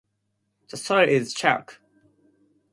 The soil is chalk.